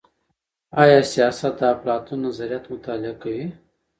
آیا سیاست د افلاطون نظریات مطالعه کوي؟